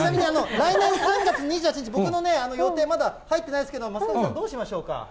来年３月２８日、僕の予定まだ入ってないですけど、升掛さん、どうしましょうか。